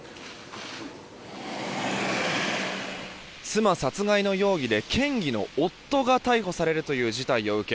妻殺害の容疑で県議の夫が逮捕されるという事態を受け